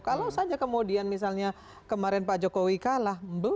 kalau saja kemudian misalnya kemarin pak jokowi kalah